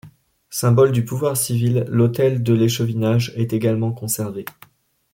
Symbole du pouvoir civil, l'hôtel de l'échevinage est également conservé.